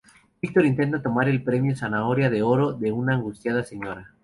Victor intenta tomar el premio zanahoria de oro de un angustiada Sra.